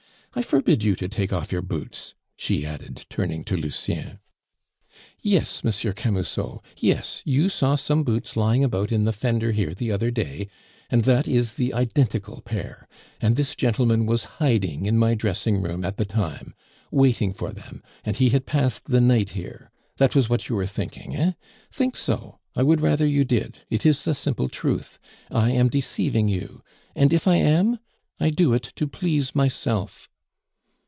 I forbid you to take off your boots," she added, turning to Lucien. "Yes, M. Camusot. Yes, you saw some boots lying about in the fender here the other day, and that is the identical pair, and this gentleman was hiding in my dressing room at the time, waiting for them; and he had passed the night here. That was what you were thinking, hein? Think so; I would rather you did. It is the simple truth. I am deceiving you. And if I am? I do it to please myself."